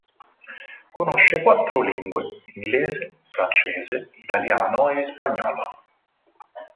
Conosce quattro lingue: inglese, francese, italiano e spagnolo.